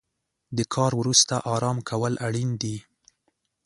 د کار وروسته ارام کول اړین دي.